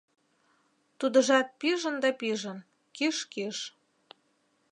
Тудыжат пижын да пижын: киш-киш.